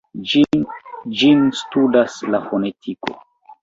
Ĝin studas la fonetiko.